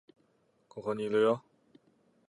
ここにいるよ